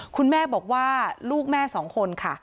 คุณแม่บอกว่าลูกแม่สองคนค่ะ